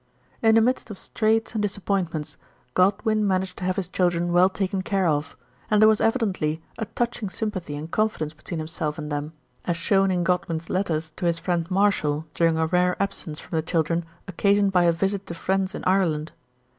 In the midst of straits and disappointments Godwin managed to have his children well taken care of, and there was evidently a touching sympathy and confi GIRLHOOD PATERNAL TROUBLES. 27 deuce between himself and them, as shown in Godwin's letters to his friend Marshall during a rare absence from the children occasioned by a visit to friends in Ireland.